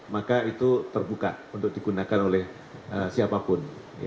maka itu terbuka untuk digunakan oleh siapapun